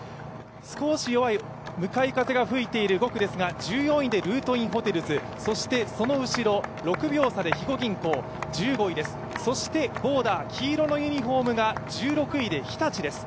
少し弱い向かい風が吹いている５区ですが、１４位でルートインホテルズその後ろ、６秒差で肥後銀行が１５位です、そしてボーダー、黄色のユニフォームが日立です。